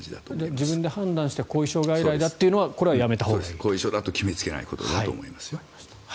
自分で判断して後遺症外来に行くのは後遺症だと決めつけないことだと思いますね。